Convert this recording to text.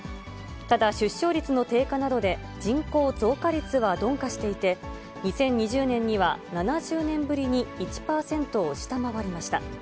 ただ、出生率の低下などで、人口増加率は鈍化していて、２０２０年には７０年ぶりに１％を下回りました。